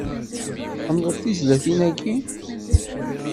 Tḥemmleḍ tizlatin-agi?